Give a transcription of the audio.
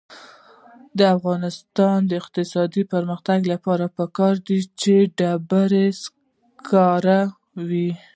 د افغانستان د اقتصادي پرمختګ لپاره پکار ده چې ډبرو سکاره وي.